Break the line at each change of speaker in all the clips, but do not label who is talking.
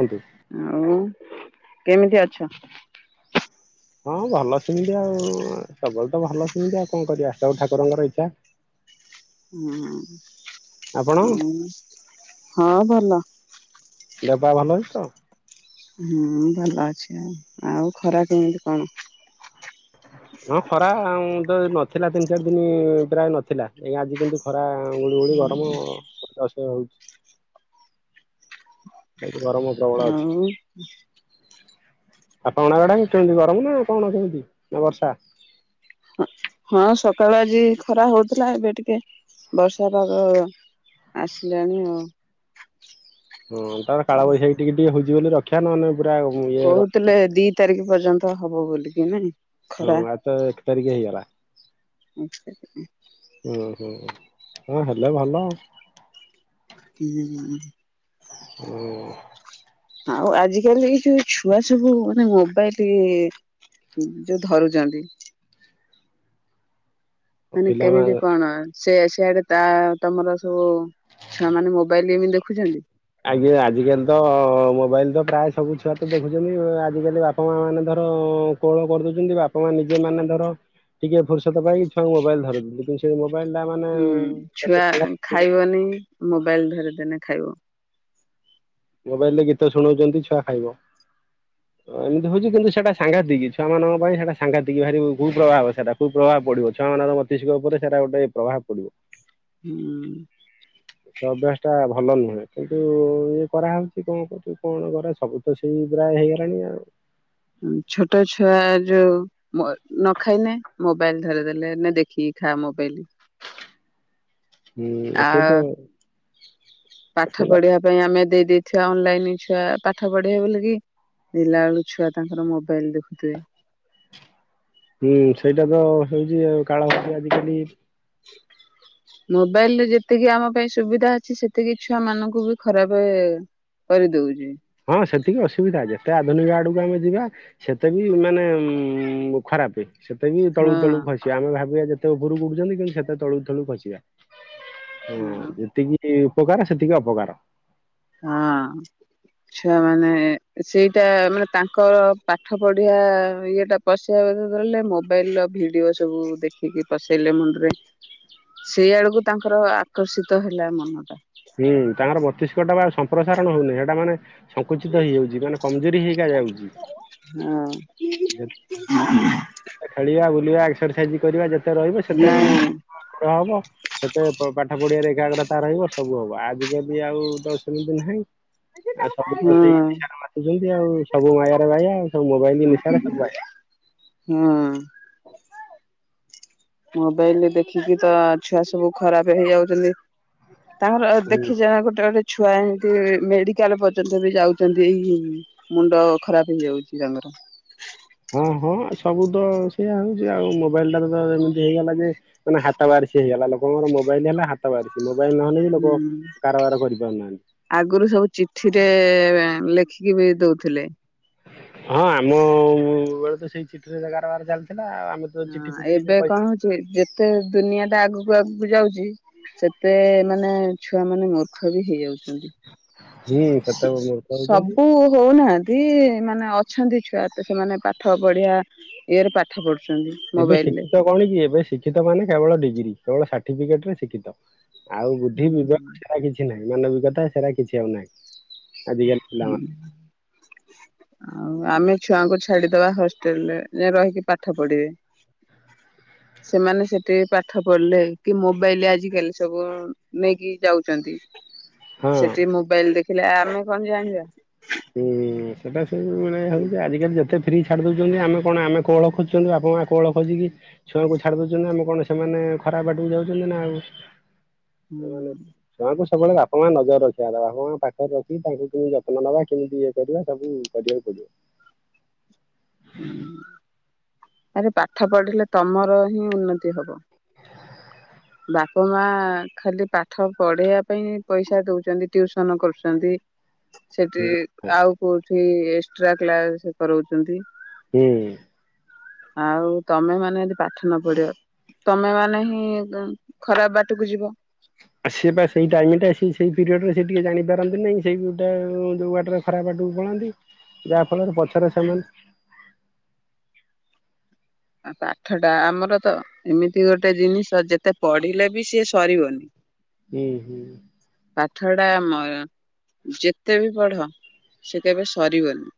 ହୁନ୍ତୁ
ଆଉ କେମିତି ଅଛ?
ହଁ ଭଲ ସେିମିତି ଆଉ ସବୁବେଳେ ତ ଭଲ ସେମିତି ଆଉ କଣ କରିବାବ ଠାକୁରଙ୍କର ଇଚ୍ଛା।
ହୁଁ
ଆପଣ
ହ ହଁ ଭ ନା
ଦେହ ପା ଭଲ ଅଛି ତ?
ହୁଁ ଭଲ ଅଛି ଆଉ। ଆଉ ଖରା କେମିତି କଣ?
ହଁ ଖରା ତ ନଥିଲା ତିନି ଚାରି ଦିନ ପ୍ରାୟ ନଥିଲା ଏ ଆଜି କିନ୍ତୁ ଖରା ଗୁଳିୁଗୁଳି ଗରମ ଅସହ୍ୟ ହଉଛି। ଏ ଗରମ ପ୍ରବଳ ଅଛି।
ଆଉ
ଆପଣଙ୍କ ଆଡେ କେମତି ଗରମ ନା କଣ କେମତି ନା ବର୍ଷା
ହଁ ସକାଳୁ ଆଜି ଖରା ହଉଥିଲା ଏବେ ଟିକେ ବର୍ଷା ପାଗ ଆସିଲାଣି ଆଉ।
ହଁ ତାର କାଳ ବୈଶାଖୀ ଟିକେ ଟିକେ ହଉଛି ଜ ବୋଲି ରକ୍ଷା ନହେଲେ ପୁରା ଇଏ
କହୁଥିଲେ ଦି ତାରିଖ ପର୍ଯ୍ୟନ୍ତ ହବ ବୋଲିକି ନାଇଁ
ହଁ ଆତ ଏକ ତାରିଖ ହେଇଗଲା।
ଆ
ହୁଁ ହୁଁ। ହଁ ହେଲେ ଭଲ ଆଉ।
ଉଁ
ହୁଁ।
ଆଉ ଆଜିକାଲି ଏ ଯୋଉ ଛୁଆ ସବୁ ମାନେ ମୋବାଇଲ ଯୋଉ ଧରୁଛନ୍ତି। ମାନେ କେମିତି
ପିଲାମାନେ
କଣ? ସେ ସେଆଡେ ତା ତମର ସବୁ ଛୁଆ ମାନେ ମୋବାଇଲ ଏମିତି ଦେଖୁଛନ୍ତି।
ଆଜ୍ଞା ଆଜିକାଲି ତ ମୋବାଇଲ ତ ପ୍ରାୟ ସବୁ ଛୁଆ ତ ଦେଖୁଛନ୍ତି ଆଜିକାଲି ବାପା ମା ମାନେ ଧର କୋଳ କରିଦଉଛନ୍ତି ବାପା ମା ନିଜେ ମାନେ ଧର ଟିକେ ଫୁର୍ସତ ପାଇ ଛୁଆଙ୍କୁ ମୋବାଇଲ ଧରୁଛନ୍ତି। କିନ୍ତୁ ସେ ମୋବାଇଲ ଟା ମାନେ
ହୁଁ
କେତେ
ଛୁଆ ଖାଇବନି ମୁ ମୋବାଇଲ ଧରିଦଲେ ଖାଇବ।
ମୋବାଇଲରେ ଗୀତ ଶୁଣଉଛନ୍ତି ଛୁଆ ଖାଇବ। ଏମିତି ହଉଛି କିନ୍ତୁ ସେଇଟା ସାଘାତିକ ଛୁଆମାନାନଙ୍କ ପାଇଁ ସେଇଟା ସାଘାତିକ ଭାରି କୁପ୍ରଭାବ ସେଟା କୁପ୍ରଭାବ ପଡିବ ଛୁଆମାନଙ୍କ ମସ୍ତିଷ୍କ ଉପରେ ସେଟା ଗୋଟେ ପ୍ରଭାବ ପଡିବ।
ହୁଁ
ଅଭ୍ୟାସ ଟା ଭଲ ନୁହେଁ କିନ୍ତୁ ଇ କରାହଉଛି କଣ କରୁଛୁ କଣ କରରେ ସବୁ ତ ସେଇ ପା ହେଇଗଲାଣି ଆଉ।
ଛୋଟ ଛୁଆ ଯୋଉ ନ ଖାଇନେ ମୋବାଇଲ ଧରିଦେଲେ ନ ଦେଖିକି ଖା ମୋବାଇଲ
ହୁଁ
ଆ
ସେ ତ ସେ
ପାଠ
ତ
ପଢିବା ପାଇଁ ଆମେ ଦେଇଦ ଅନଲାଇନ ଛୁଆ ପାଠ ପଢ ପଢ଼ିବେ ବୋଲିକି ଦେଖିଲା ବେଳକୁ ଛୁଆ ତାଙ୍କର ମୋବାଇଲ ଦେଖୁେଥିବେ।
ହୁଁ ସେଇଟା ତ ହଉଛି କାଳ ହଉଛି ଆଜିକାଲି
ମୋବାଇଲ ରେ ଯେତିକି ଆମ ପାଇଁ ସୁବିଧା ଅଛି ସେତିକି ଛୁଆ ମାନଙ୍କୁ ବି ଖରାପ କରିଦଉଛି।
ହଁ ସେତିକି ଅସୁବିଧା ଯେତେ ଆଧୁନିକ ଆଡକୁ ଆମେ ଯିବା ସେତେ ବି ମାନେ ଉ ଖରାପ ସେତେ ବି
ହଁ
ତଳୁକୁ ତଳୁକୁ ଖସିବା ଆମେ ଭାବିବା ଯେ ସେତେ ଉପରକୁଉଠୁଛନ୍ତି କିନ୍ତୁ ସେତେ ତଳୁ ତଳୁକୁ ଖସିବା। ହଁ ଯେତିକି ଉପକାର ସେତିକି ଅପକାର
ହଁ ଛୁଆମାନୋନେ ସେଇଟା ମାନେ ତାଙ୍କ ପାଠ ପଢିଆ ଇଏଟା ପଶିବାଲେ ମୋବାଇଲ ର ଭିଡିଓ ସବୁ ଦେଖିକି ପସେଇଲେ ମୁଣ୍ଡରେ ସେଇଆଡକୁ ତାଙ୍କର ଆକର୍ଷିତ ହେଲା ମନ ଟା
ହୁଁ ତାଙ୍କର ବତିଷ୍କଟା ବା ପ୍ରସାରଣ ହଉନି ସେଇଟା ମାନେ ସଂଙ୍କୁଚିତ ହେଇଯାଉଛି ମାନେ କମଜୋରି ହେଇକ ଯାଉଛି
ହଁ
ଖେଳିବା ବୁଲିବା ଏକ୍ରସାଇଜ କରିବା ଯେତେ ରହିବ ସେତେ ମାନେ
ନାଇଁ
ମତେ ହବ ସେତେ ପାଠ ପଢିବାରେ ଏକାଗ୍ରତା ରହିବ ସବୁ ହବ ଆଜିକାଲି ଆଉ ଦଶମିତି ନାହିଁ। ଆଉ ସବୁ
ହଁ
ତ ସେଇ ନିଶାରେ ମାଚୁଛନ୍ତି ଆଉ ସବୁ ମାୟାରେ ବାା ସବୁ ମୋବାଇଲ ନିଶାରେ ସବୁ ବା
ହଁ ମୋବାଇଲ ଦେଖିକି ତ ଛୁଆ ସବୁ ଖରାପ ହେଇଯାଉଛନ୍ତି। ତାଙ୍କର
ହୁଁ।
ଦେଖି ଯ ଗୋଟେ ଗୋଟେ ଛୁଆ ଏମିତି ମେଡିକାଲ ପର୍ଯ୍ୟନ୍ତ ବି ଯାଉଛନ୍ତି ଏଇ ମୁଣ୍ଡ ଖରାପ ହେଇଯାଉଛି ତାଙ୍କର
ହଁ ହଁ ସବୁ ତ ସେଇୟା ହଉଛି ଆଉ ମୋବାଇଲ ଟାାରେ ତ ଯେମିତି ହେଇଗଲା ଯେ ମାନେ ହାତ ବାରିଶି ହେଇଗଲା ଲୋକଙ୍କର ମୋବାଇଲ ହେଲା ହାତ ବାରିଶି ମୋବଲ
ହୁଁ ଆଗରୁ ସବୁ ଚିଠିରେ ଲେଖିକି ବି ଦଉଥିଲେ।
ହଁ ଆମ ସେଇ ଚିଠିରେ କାରବାର ଚାଲିଛନ୍ତି।
ହଁ ଏବେ କଣ ହଉଛି ଯେତେ ଦୁନିଆ ଟା ଆଗୁ ଆଗକୁ ଆଗକୁ ଯାଉଛି ସେତେ ମାନେ ଛୁଆ ମାନେ ମୂର୍ଖ ବି ହେଇଯାଉଛି।
ହୁଁ ସେତେବେଳେ ମୂର୍ଖ ହଉଛନ୍ତି।
ସବୁ ହଉନାହାନ୍ତି। ସେ ମାନେ ଅଛନ୍ତି ଛୁଆ ତ ସେମାନେ ପାଠ ପଢିଆ ଇଏରେ ପାଠ ପଢୁ
ଏବେ ଶିକ୍ଷିତ କଣ କି ଏବେ ଶିକ୍ଷିତ ମାନେ କେବଳ ଡିଗ୍ରୀ କେବଳ ସାର୍ଟିଫିକେଟରେ ଶିକ୍ଷିତ। ଆଉ ବୁଦ୍ଧି
ହୁଁ।
ବିବେକ କିଛି ନାହିଁ। ମାନବିକତା ସେରା କିଛି ଆଉ ନାହିଁ। ଆଜି କାଲି ପିଲା ମାନେ।
ଆଉ ଆମେ ଛୁଆଙ୍କୁ ଛାଡିଦବା ହଷ୍ଟେଲରେ ରହିକି ପାଠ ପଢିବେ ସେମାନେ ସେଠି ପାଠ ପଢିଲେ କି ମୋବାଇଲ ଆଜିକାଲି ସବୁ ନେଇକି ଯାଉଛନ୍ତି।
ହଁ
ସେଠି ମୋବାଇଲ ଦେଖ [unintelligible] ଆମେ କଣ ଜାଣି?
ହୁଁ। ସେଇଟା ସବୁ ମାନେ ହେଉଛି ଆଜିକାଲି ଯେତେ ଫ୍ରି ଛାଡ଼ି ଦେଉଛନ୍ତି ଆମ କଣ ଆମେ କୋଳ ଖୋଜୁ ଆପ ମାଙ୍କ କୋଳ ଖୋଜିକି ଛୁଆଙ୍କୁ ଛାଡ ଦଉଛୁ ଆମେ କଣ ସେମାନେ ଖରାପ ବାଟକୁ ଯାଉଛନ୍ତି ନା ଆଉ। ସେମାନେ
ହୁଁ।
ଛୁଆଙ୍କୁ ସବୁବେଳେ ବାପା ମା ନଜର ରଖିବା ବାପା ମା ପାଖରେ ରଖି ତାଙ୍କୁ କିମତି ଯତ୍ନ ନବା। କେମିତି ଇଏ କରିବା ସବୁ କରିବାକୁ ପଡିବ।
ହଁ ଆରେ ପାଠ ପଢିଲେ ତମର ହିଁ ଉନ୍ନତି ହବ। ବାପ ମା ଖାଲି ପାଠ ପଢେଇବା ପାଇଁ ପଇସା ଦଉଛନ୍ତି ଟିଉସନ କରୁଛନ୍ତି। ସେଠି
ହୁଁ
ଆଉ କୋଉ ଏ ଏକ୍ସଟ୍ରା କ୍ଲାସ କରଉଚନ୍ତି।
ହୁଁ।
ଆଉ ତମେ ମାନେ ଯଦି ପାଠ ନ ପଢିବ ତମେ ମାନେ ହିଁ ଖରାପ ବାଟକୁ ଯିବ।
ସିଏ ବା ସେଇ ଟାଇମ ଟା ସେ ସେଇ ପିରିୟଡ଼ ରେ ସେ ଟିକେ ଜାଣିପାରନ୍ତିନି ସେଇ ଗୋଟା ଯୋଉ ବାଟରେ ଖରାପ ବାଟକୁ ପଳାନ୍ତି ଯାହା ଫଳରେ ପଛରେ ସେମାନେ
ପାଠ ଟା ଆମର ତ ଏମିତି ଗୋଟେ ଜିନିଷ ଯେତେ ପଢିଲେ ବି ସିଏ ସରିବନି।
ହୁଁ ହୁଁ।
ପାଠ ଟା ଆମର ଯେତେ ବି ପଢ ସେ କେବେ ସରିବନି।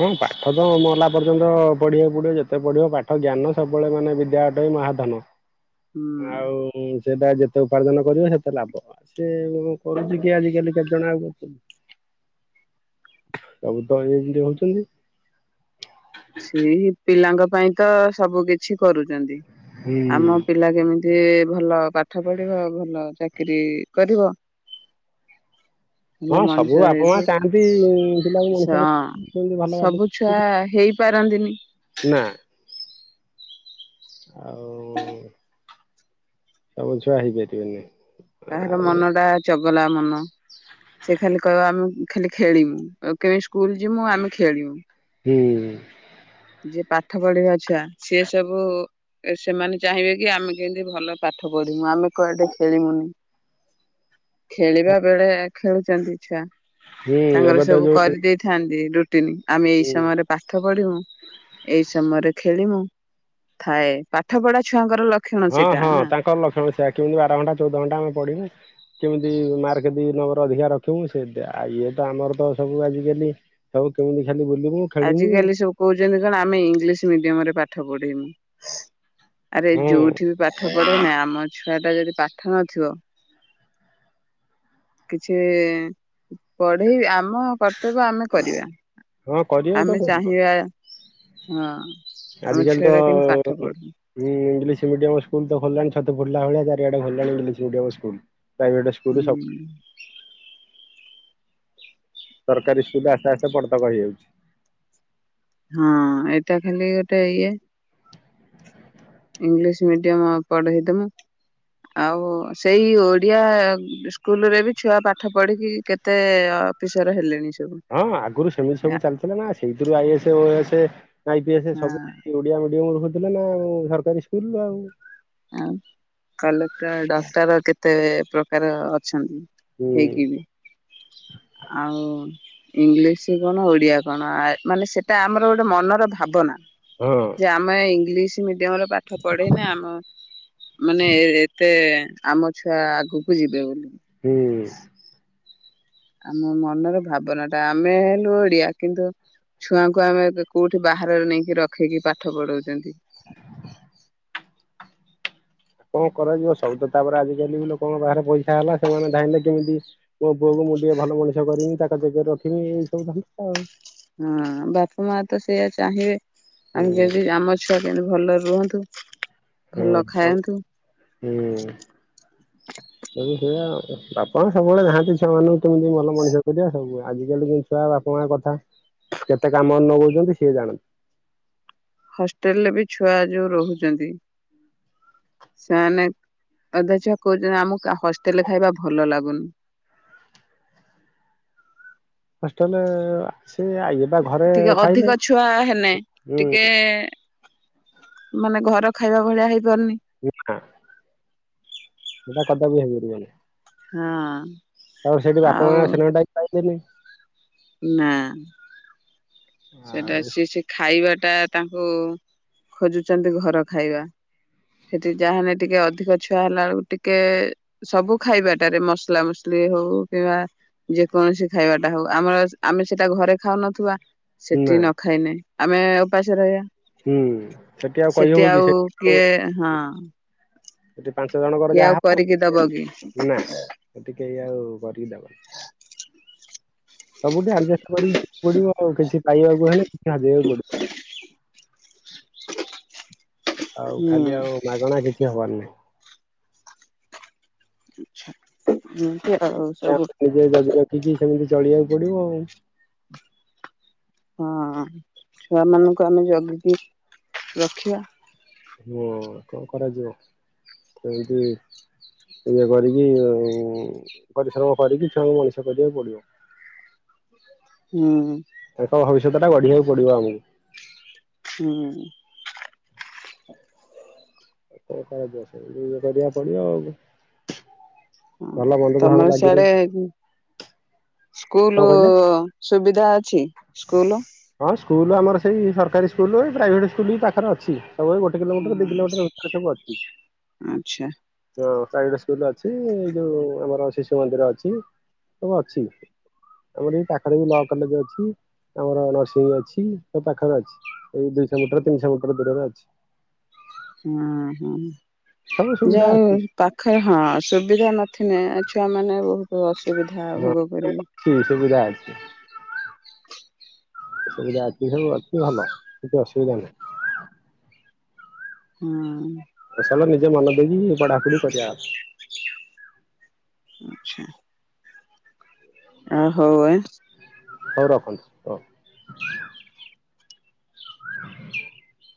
ହଁ ପାଠ ତ ମଲା ପର୍ଯ୍ୟନ୍ତ ପଢିବାକୁ ପଢିବ ଯେତେ ପଢିବ ପାଠ ଜ୍ଞାନ ସବୁବେଳେ ମାନେ ବିଦ୍ୟା ଅଟଇ ମହାଧନ।
ହୁଁ
ଆଉ ସେଟା ଯେତେ ଉପାର୍ଜନ କରିବ ସେତେ ଲାଭ ସେ କରୁଛି କି ଆଜିିକାଲି କେତେଜଣ ଅଛନ୍ତି ସବୁ ତ ଏମିତି ହୋଉଛି। ଛନ୍ତି।
ସେଇ ପିଲାଙ୍କ ପାଇଁ ତ ସବୁ କିଛି କରୁଚନ୍ତି।
ହୁଁ
ଆମ ପିଲା କେମିତି ଭଲ ପାଠ ପଢିବ ଭଲ ଚାକିରୀ କରିବ। ଭଲ
ହଁ
ମଣିଷ
ସବୁ ବାପା ମା
ହେଇକି
ଚାହାନ୍ତି ଇ
ସ
ପିଲାମାନଙ୍କୁ ମଣିଷ କରିବା ପାଇଁ କେମିତି ଭଲ ବାଟକୁ
ବାରନ୍ତିନି।
ନା ଆଉ ସବୁ ଛୁଆ ହେଇ ପାରିବେନି।
କାହାର ମନ ଟା ଚଗ ଗଲା ମନ ସେ ଖାଲି କହିବ ଆମେ ଖାଲି ଖେଳିବୁ ଆଉ କେମିତି ସ୍କୁଲ ଯିମୁ ଆମେ ଖେଳିବୁ।
ହୁଁ।
ଯିଏ ପାଠ ପଢିବା ଛୁଆ ସିଏ ସବୁ ସେମାନେ ଚାହିଁବେ କି ଆମେ କେମିତି ଭଲ ପାଠ ପଢିମୁ ଆମେ କୁଆଡେ ଖେଳିମୁନି ଖେଳିବା ବେଳେ ଖେଳୁଛନ୍ତି ଛୁଆ।
ହୁଁ ଏବେ ତ ଯୋଉ
[unintelligible] ଟିନ ଆମେ ଏଇ ସମୟରେ ପାଠ ପଢିବୁ। ଏଇ ସମୟରେ ଖେଳିମୁ ଥାଏ ପାଠ ପଢା ଛୁଆଙ୍କର ଲକ୍ଷଣ
ହଁ
ସେଇଟା
ହଁ
ନା।
ତାଙ୍କର ଲକ୍ଷଣ ସେଇଆ କେମିତି ବାର ଘଣ୍ଟା ଚଉଦ ଘଣ୍ଟା ଆମେ ପଢିମୁ କେମିତି? ମାର୍କ ଦି ନମ୍ବର ଅଧିକା ରଖିବୁ ସେ ଆଉ ଇଏ ତ ଆମର ତ ସବୁ ଆଜିକାଲି ସବୁ କେମିତି ଖାଲି ବୁଲିବୁ ଖେଳିବୁ
ଆଜିକାଲି ସବୁ କହୁଛନ୍ତି କଣ ଆମେ ଇଂଲିଶ ମିଡିୟମ ରେ ପାଠ ପଢିମୁ। [inaudible] ଆରେ
ହଁ
ଯୋଉଠି ବି ପାଠ ପଢନା ଆମ ଛୁଆ ଟା ଯଦି ପାଠ ନଥିବ କିଛି ପଢେଇ ଆମ କର୍ତ୍ତବ୍ୟ ଆମେ କରିବା
ହଁ କରିବାକୁ ତ
ଆମେ
ପଡିବ
ଚାହିଁବା ହଁ। ଆମ
ଆଜିକାଲି
ଛୁଆ
ତ
ଟା କେମିତି ପାଠ ପଢୁ।
ଇଂଲିଶ ମିଡିୟମ ସ୍କୁଲ ତ ଖୋଲିଲାଣି ବୁଲିଲା ବଳିଆ ଚାରିଆଡ଼େ [unintelligible] ପ୍ରାଇଭେଟ ସ୍କୁଲ
ହୁଁ
ସବ [inaudible] ସରକାରୀ ସ୍କୁଲରେ ଆସ୍ତେ ଆସ୍ତେ [unintelligible] ହେଇଯାଉଛି।
ହଁ ଏଇଟା ଖାଲି ଗୋଟେ ଇଏ ଇଂଲିଶ ମିଡିୟମ ପଢେଇଦମୁ ଆଉ ସେଇ ଓଡିଆ ସ୍କୁଲରେ ବି ଛୁଆ ପାଠ ପଢିକି କେତେ ଅଫିସର ହେଲେଣି ସବୁ।
ହଁ ଆଗରୁ ସେମିତି ସବୁ ଚାଲିଥିଲା ନା ସେଇଥିରୁ I S O S I P S
ହଁ
ସବୁ ଓଡ଼ିଆ ମିଡିଅମ ନା ଆଉ ସରକାରୀ ସ୍କୁଲରୁ ଆଉ
କଲେକ୍ଟର ଡକ୍ଟର କେତେ ପ୍ର କାର ଅଛନ୍ତି
ହୁଁ
ହେଇକିବି ଆଉ ଇଂଲିଶ କଣ ଓଡ଼ିଆ କଣ ମାନେ ସେଇଟା ଆମର ଗୋଟେ ମନର ଭାବନା
ହଁ
ଯେ ଆମେ ଇଂଲିଶ ସେ ଉଦ୍ୟମର ପାଠ ପଢ଼େନା ଆମ ମାନେ ଏତେ ଆମ ଛୁଆ ଆଗକୁ ଯିବେ ବୋଲି
ହୁଁ
ଆମ ମନର ଭାବନା ଟା ଆମେ ହେଲୁ ଓଡିଆ କିନ୍ତୁ ଛୁଆଙ୍କୁ ଆମେ କୋଉଠି ବାହାରେ ନେଇକି ରଖିକି ପାଠ ପଢଉଛନ୍ତି
କଣ କରାଯିବ ସବୁ ତ ତାପରେ ଆଜିକାଲି ବି ଲୋକଙ୍କ ପାଖରେ ପଇସା ହେଲା ସେମାନେ ଧାଇଁଲେେ କେମିତି ମୋ ପୁଅକୁ ମୁଁ ଟିକେ ଭଲ ମଣିଷ କରିବି ତାଙ୍କ ଜାଗାରେ ରଖିବି ଏଇ ସବୁ ଧ ଆଉ
ହଁ ବାପା ମା ତ ସେଇୟଆ ଚାହିଁବେ ଆମ ଯଦି ଆମ ଛ ଯେନ୍ତତି ଭଲରେ ରୁହନ୍ତୁ
ହଁ
ଭଲ ଖାଆନ୍ତୁ
ସବୁ ହୁଁ ସେ ବାପା ସବୁବେଳେ ଯାଆନ୍ତି ଛୁଆ ମାନଙ୍କୁ କେମିତି ଭଲ ମଣିଷ କରିଆ ସବୁ ଆଜିକାଲି ଯ ଛୁଆ ବାପା ମାଙ୍କ କଥା କେତେ କାମ ନ କଉଛନ୍ତି ସିଏ ଜାଣନ୍ତି
ହଷ୍ଟେଲ ରେ ବି ଛୁଆ ଯୋଉ ରହୁଛନ୍ତି ସେମାନେ ଅଧା ଛୁଆ କହୁଛନ୍ତି ଆମକୁ ହଷ୍ଟେଲରେ ଖାଇବା ଭଲ ଲାଗୁନି
ଅଷ୍ଟେଲା
ଟିକେ ଅଧିକ ଛୁଆ ହେଲେ
ହୁଁ
ଟିକେ ମାନେ ଘର ଖାଇବା ଭଳିଆ ହେଇ
ଏଟା କଦ ବି ହେଇପାରିବ
ହଁ
ତ ସେଠି ବାପ
ଆଉ
ମାଙ୍କ ସେ ନହି
ନା ସେଟା
ଆଉ
ସ ସେ ଖାଇବା ଟା ତାଙ୍କୁ ଖୋଜୁଛନ୍ତି ଘର ଖାଇବା ସେଠି ଯାହାାନଲେ ଟିକେ ଅଧିକ ଛୁଆ ହେଲା ବେଳକୁ ଟିକେ ସବୁ ଖାଇବାଟାରେ ମସଲା ମସଲି ହଉ କିମ୍ବା ଯେକୌଣସି ଖାଇବାଟା ହଉ ଆମର ଆମେ ସେଟା ଘରେ ଖାଉନଥିବା ସେଠି
ନା
ନ ଖାଇ ନହିଁ। ଆମେ ଉପାସ ରହିବା
ହୁଁ ଆଉ କହିହବ
ସେଠି
କି
ଆଉ
ଆଉ
କିଏ ହଁ
ସେଠି ପାଞ୍ଚ ଜଣଙ୍କର
କିଏ ଆଉ
ଯାହା
କରିକି
ହବ
ଦବ କି
ନା ସେଠ କେହି ଆଉ କରିକି ଦେବନି ସବୁଠି ଆଡ କରିକି ଯକୁ ପଡିବ ଆଉ କିଛି ପାଇବାକୁ ହେଲେ କି ହଜେଇବାକୁ ପଡିବ
[inaudible]
ଆଉ
ହୁଁ।
ଖାଲି ଆଉ ମାଗଣା କିଛି ହବାରି ନାଇଁ
ଆଛା ହୁଁ।
ନିଜେ ଜଗି ରଖିକି ସେମିତି ଚଳିବାକୁ ପଡିବ ଆଉ
ହଁ ଛୁଆ ମାନଙ୍କୁ ଆମେ ଜଗି ରଖିବା।
ହଁ କଣ କରାଯିବ ସେମିତି ଇଏ କରିକି ଆ ପରିଶ୍ରମ କରିକି ଛୁଆଙ୍କୁ ମଣିଷ କରିବାକୁ ପଡିବ
ହୁଁ
ତା ଭବିଷ୍ୟତ ଟା ଗଢିବାକୁ ପଡିବ ଆମକୁ
ହୁଁ
ଉ କଣ ଇଏ କରିବାକୁ ପଡିବ ଆଉ
ହଁ
ଭଲ ମନ୍ଦ ତ ସବୁ
ତମର
ଲାଗି
ସିଆଡେ
ରହିଛି
ସ୍କୁଲ
କଣ କହିଲେ?
ସୁବିଧା ଅଛି ସ୍କୁଲ
ହଁ ସ୍କୁଲ ଆମର ସେଇ ସରକାରୀ ସ୍କୁଲ୍ ପ୍ରାଇଭେଟ୍ ସ୍କୁଲ ବି ପାଖରେ ଅଛି ତା ଗୋଟେ କିଲୋମିଟର ଦି କିଲୋମିଟର ଭିତରେ ସବୁ ଅଛି
ଆଚ୍ଛା
ଆ ପ୍ରାଇଭେଟ ସ୍କୁଲ ଅଛି ଏଇ ଯଉ ଆମର ଶିଶୁ ମନ୍ଦିର ଅଛି ସବୁ ଅଛି ଆମର ଏଇ ପାଖରେ ବି ଲ କଲେଜ ଅଛି ଆମର ନରସିଂହ ଅଛି ତ ପାଖରେ ଅଛି ଏଇ ଦିଇଶହ ମିଟର ତିନିଶହ ମିଟର ଦୂରରେ ଅଛି
ହଁ ହଁ
ସବୁ ସୁବିଧା
ଯଉ
ଅଛି
ପାଖ ହଁ ସୁବିଧା ନଥିଲେ ଛୁଆମାନେେ ବହୁତ ଅସୁବିଧା ଭୋଗ କରିବି
ସବି ଯା ଅଛି ସବୁ ଅଛି ଭଲ କିଛି ଅସୁବିଧା ନାହିଁ
ହଁ
ସଲ ନିଜେ ମନ ଦେଇବି ଏ ପଢାପଢି କରିବା ଆ
ଆଛା [unintelligible]
ହଉ ରଖନ୍ତୁ ହଉ
ହଁ ହ